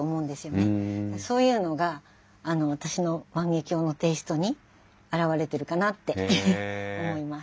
そういうのが私の万華鏡のテイストに表れてるかなって思います。